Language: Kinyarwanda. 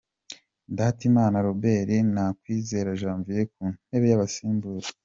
Ndatimana Robert na Kwizera Janvier ku ntebe y'abasimbura.